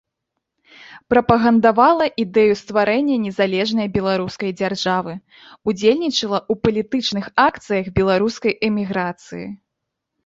Прапагандавала ідэю стварэння незалежнай беларускай дзяржавы, удзельнічала ў палітычных акцыях беларускай эміграцыі.